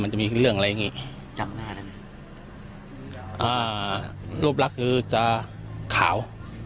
มันจะมีเรื่องอะไรอย่างงี้อ่ารูปลักษณ์คือจะขาว